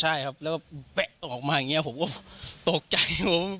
ใช่ครับแล้วก็แป๊ะออกมาอย่างนี้ผมก็ตกใจงง